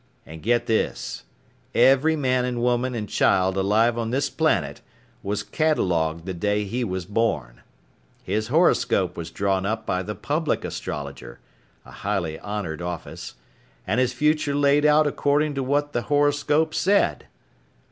And get this: every man and woman and child alive on this planet was catalogued the day he was born. His horoscope was drawn up by the public astrologer a highly honored office and his future laid out according to what the horoscope said.